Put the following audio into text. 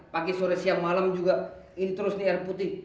pagi sore siang malam juga ini terus nih air putih